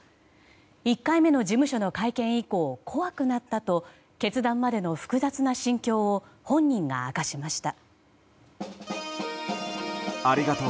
１回目の事務所の会見以降怖くなったと決断までの複雑な心境を本人が明かしました。